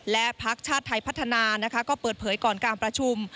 และพักชาติไทยพัฒนานะคะก็เปิดเผยก่อนการประชุม